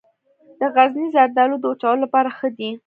د غزني زردالو د وچولو لپاره ښه دي.